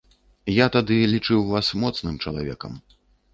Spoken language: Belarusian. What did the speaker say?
Я тады лічыў вас моцным чалавекам.